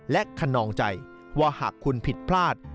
และขนองใจว่าหากคุณผิดพลาด